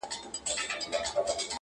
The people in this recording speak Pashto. تر پرون مي يوه کمه ده راوړې،